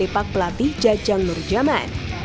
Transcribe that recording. tepak pelatih jajang nurjaman